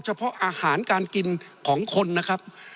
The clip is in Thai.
เพราะอาหารการกินของคนนะครับ